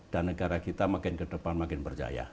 dan negara kita makin kedepan makin berjaya